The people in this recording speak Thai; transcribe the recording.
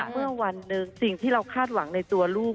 เมื่อวันหนึ่งสิ่งที่เราคาดหวังในตัวลูก